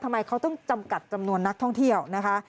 ทำไมเขาต้องจำกัดจำนวนนักท่องเที่ยวนะคะ